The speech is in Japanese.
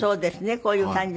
こういう感じ。